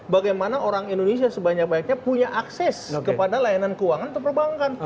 bagaimana orang indonesia sebanyak banyaknya punya akses kepada layanan keuangan atau perbankan